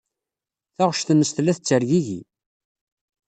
Taɣect-nnes tella tettergigi.